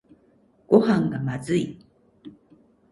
ごはんがまずい